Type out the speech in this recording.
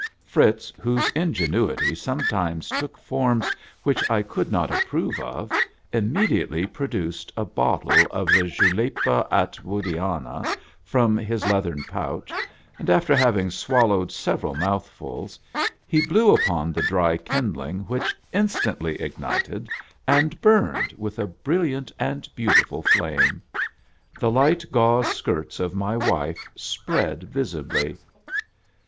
Fritz, whose ingenuity sometimes took forms which I could not approve of, immediately produced a bot tle of the Julepa Attwoodiana from his leathern pouch, and, after having swallowed several mouthfuls, he blew upon the dry kindling, which instantly ignited and burned with a brilliant and beautiful flame. The light gauze skirts of my wife spread visibly.